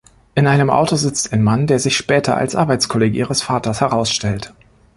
In einem Auto sitzt ein Mann, der sich später als Arbeitskollege ihres Vaters herausstellt.